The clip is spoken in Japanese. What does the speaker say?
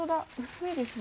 薄いですね。